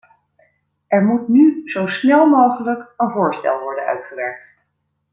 Er moet nu zo snel mogelijk een voorstel worden uitgewerkt.